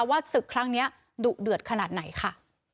ว่าศึกครั้งนี้ดุเดือดขนาดไหนค่ะ